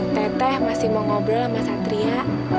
t dewi masih mau ngobrol sama satria